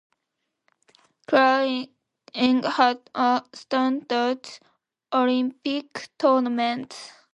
Craig had a standout Olympic tournament.